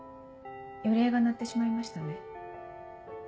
予鈴が鳴ってしまいましたね。